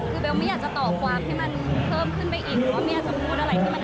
คือเบลไม่อยากจะตอบความให้มันเพิ่มขึ้นไปอีกหรือว่าไม่อยากจะพูดอะไรที่มัน